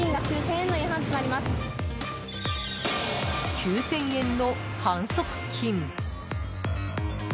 ９０００円の反則金。